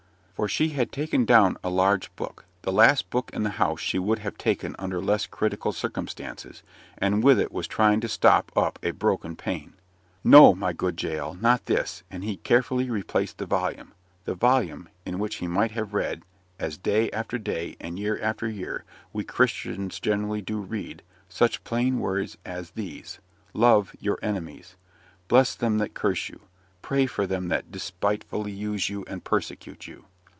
For she had taken down a large Book the last Book in the house she would have taken under less critical circumstances, and with it was trying to stop up a broken pane. "No, my good Jael, not this;" and he carefully replaced the volume; that volume, in which he might have read, as day after day, and year after year, we Christians generally do read, such plain words as these "Love your enemies;" "bless them that curse you;" "pray for them that despitefully use you and persecute you."